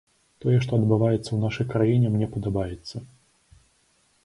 Тое, што адбываецца ў нашай краіне, мне падабаецца.